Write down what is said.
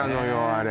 あれ